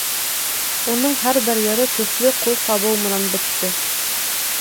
Уның һәр бер йыры көслө ҡул сабыу менән бөттө.